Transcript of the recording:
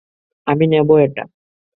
আমি নেবো এটা।